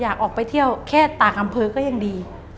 อยากออกไปเที่ยวแค่ต่างอำเภอก็ยังดี